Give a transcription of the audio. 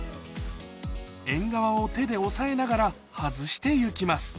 エンガワを手で押さえながら外して行きます